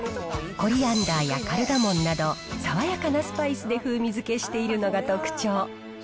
コリアンダーやカルダモンなど、爽やかなスパイスで風味付けしているのが特徴。